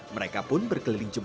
mereka pun berkeliling jebat